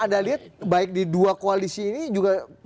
dan anda lihat baik di dua koalisi ini juga kartel politik atau